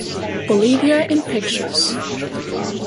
Bolivia in pictures